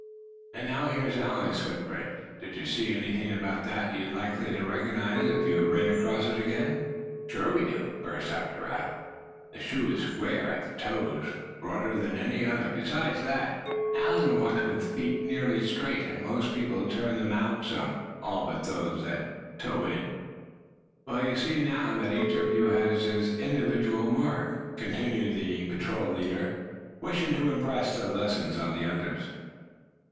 And now here's Allan's footprint do you see anything about that you'd be likely to recognize if you ran across it again?" "Sure we do," burst out Giraffe. "The shoe is square at the toes, broader than any other. Besides that, Allan walks with his feet nearly straight, and most people turn them out some; all but those that toe in." "Well, you see, now, that each one of us has an individual mark," continued the patrol leader, wishing to impress the lesson on the others.